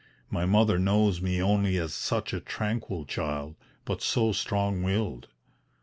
My mother knows me only as 'such a tranquil child, but so strong willed.'